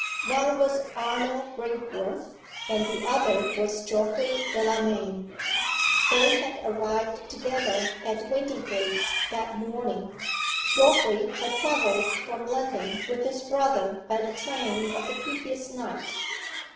One was Arnold Brinkworth, and the other was Geoffrey Delamayn. They had arrived together at Windygates that morning. Geoffrey had traveled from London with his brother by the train of the previous night.